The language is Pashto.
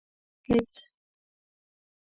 هېڅ.